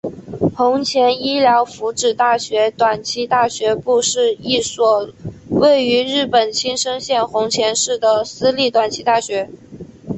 弘前医疗福祉大学短期大学部是一所位于日本青森县弘前市的私立短期大学。